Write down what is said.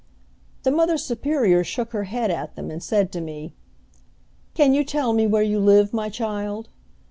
The Mother Superior shook her head at them, and said to me: "Can you tell me where you live, my child?"